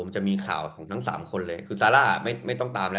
มันจะมีข่าวของทั้งสามคนเลยคือซาร่าไม่ต้องตามแล้ว